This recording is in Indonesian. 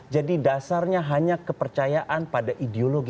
jadi dasarnya hanya kepercayaan pada ideologi